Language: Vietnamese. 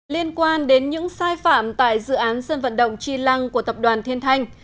liên quan đến những sai phạm tại dự án dân vận động chi lăng của tập đoàn thiên thanh